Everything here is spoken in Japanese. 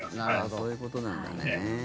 そういうことなんだね。